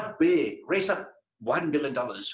menangkan satu juta dolar